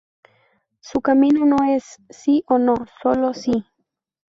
Su camino no es "Sí o No" sólo "SÍ".